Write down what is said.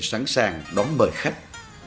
sẵn sàng đón mời khách